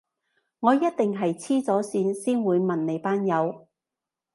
我一定係痴咗線先會問你班友